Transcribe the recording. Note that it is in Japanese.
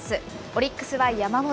オリックスは山本。